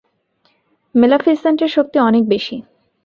Maleficent এর শক্তি অনেক বেশি।